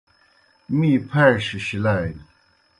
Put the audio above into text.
می پھاݜیْ شِلانیْ۔